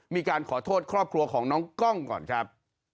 มีการขอโทษครอบครัวของน้องกล้องก่อนครับ